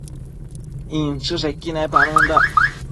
inchËshequi nepanundac